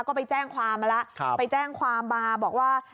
ก็ไปแจ้งความมาแล้วไปแจ้งความมาบอกว่า